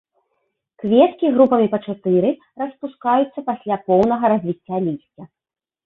Кветкі групамі па чатыры, распускаюцца пасля поўнага развіцця лісця.